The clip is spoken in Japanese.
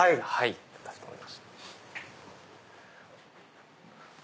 かしこまりました。